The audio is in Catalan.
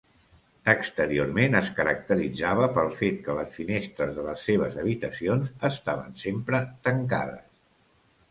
Exteriorment es caracteritzava pel fet que les finestres de les seves habitacions estaven sempre tancades.